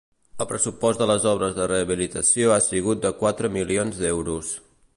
El pressupost de les obres de rehabilitació ha sigut de quatre milions d’euros.